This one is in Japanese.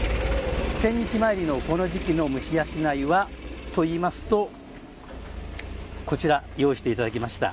千日詣りのこの時期のむしやしないはといいますとこちら、用意していただきました。